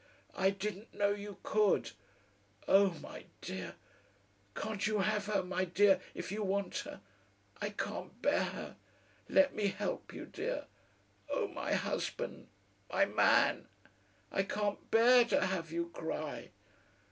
I didn't know you could. Oh! my dear! Can't you have her, my dear, if you want her? I can't bear it! Let me help you, dear. Oh! my Husband! My Man! I can't bear to have you cry!"